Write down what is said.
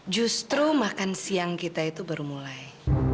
justru makan siang kita itu baru mulai